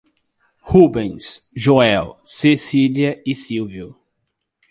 Rubens, Joel, Cecília e Sílvio